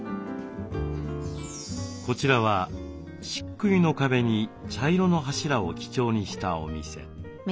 こちらはしっくいの壁に茶色の柱を基調にしたお店。